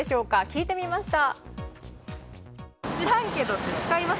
聞いてみました。